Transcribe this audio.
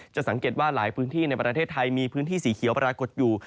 สังเกตว่าหลายพื้นที่ในประเทศไทยมีพื้นที่สีเขียวปรากฏอยู่